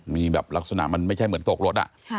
มีแบบลักษณะมันไม่ใช่เหมือนตกรถ